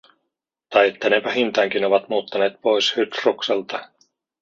Tai että ne vähintäänkin ovat muuttaneet pois Hydrukselta.